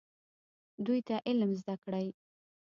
دوی ته علم زده کړئ